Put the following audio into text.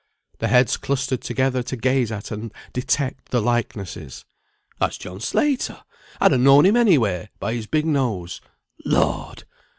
The heads clustered together, to gaze at and detect the likenesses. "That's John Slater! I'd ha' known him anywhere, by his big nose. Lord!